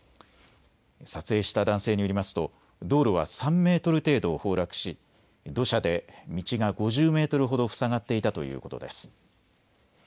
撮影した男性によりますと道路は３メートル程度崩落し土砂で道が５０メートルほど塞がっていたということです。